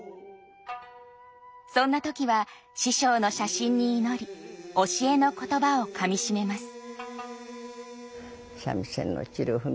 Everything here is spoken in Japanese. そんな時は師匠の写真に祈り教えの言葉をかみしめます。